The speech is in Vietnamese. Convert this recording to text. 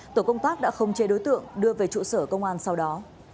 tổ công tác đã không chê đối tượng đưa về trụ sở công an sau đó